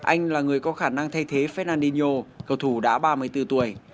anh là người có khả năng thay thế fernandino cầu thủ đã ba mươi bốn tuổi